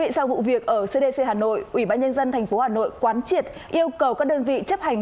sau vụ việc ở cdc hà nội ubnd tp hà nội quán triệt yêu cầu các đơn vị chấp hành